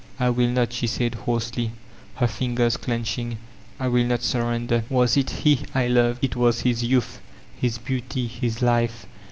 "I will not," she said hoarsely, her fingers clenching. "I will not surrender. Was it he I feved? It was his youth, his beauty, his life.